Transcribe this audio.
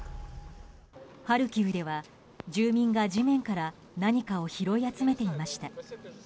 ハルキウでは住民が地面から何かを拾い集めていました。